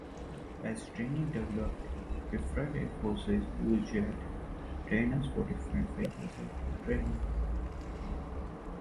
As training developed different air forces used jet trainers for different phases of training.